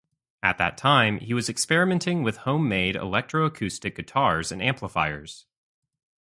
At that time, he was experimenting with homemade electro-acoustic guitars and amplifiers.